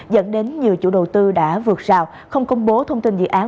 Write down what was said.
dẫn đến nhiều chủ đầu tư đã vượt xào không công bố thông tin dự án